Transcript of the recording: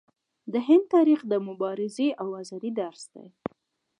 د هند تاریخ د مبارزې او ازادۍ درس دی.